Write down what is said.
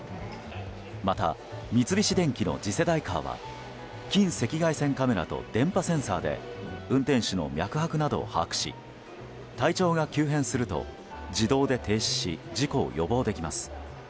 また、三菱電機の次世代カーは近赤外線カメラと電波センサーで運転手の脈拍などを把握し体調が急変すると自動で停止し事故を予防できます。